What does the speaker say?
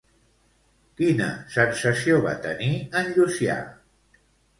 Quina sensació va tenir en Llucià?